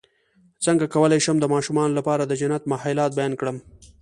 څنګه کولی شم د ماشومانو لپاره د جنت محلات بیان کړم